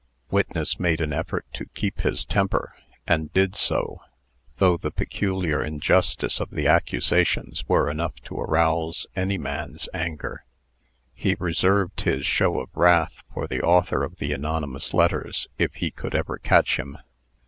Witness made an effort to keep his temper, and did so, though the peculiar injustice of the accusations were enough to arouse any man's anger. He reserved his show of wrath for the author of the anonymous letters, if he could ever catch him.